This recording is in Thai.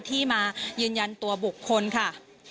ที่มายืนยันตัวบุคคลค่ะ